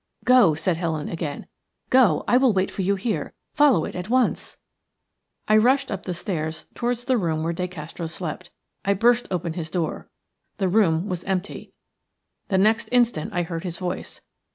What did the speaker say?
"Go," said Helen again. "Go; I will wait for you here. Follow it at once." I rushed up the stairs towards the room where De Castro slept. I burst open his door. The room was empty. The next instant I heard his voice.